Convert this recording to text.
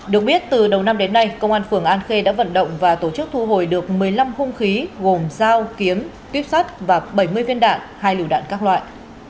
được biết từ đầu năm đến nay công an phường an khê đã vận động và tổ chức thu hồi được một mươi năm hung khí gồm dao kiếm tuyếp sắt và bảy mươi viên đạn hai liều đạn các loại